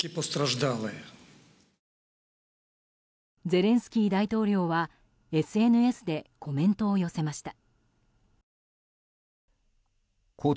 ゼレンスキー大統領はＳＮＳでコメントを寄せました。